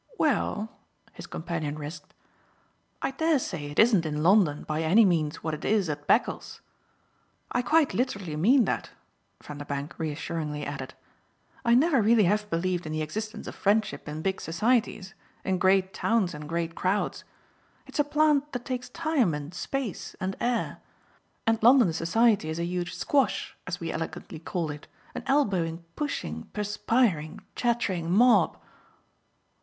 "Well," his companion risked, "I dare say it isn't in London by any means what it is at Beccles. I quite literally mean that," Vanderbank reassuringly added; "I never really have believed in the existence of friendship in big societies in great towns and great crowds. It's a plant that takes time and space and air; and London society is a huge 'squash,' as we elegantly call it an elbowing pushing perspiring chattering mob."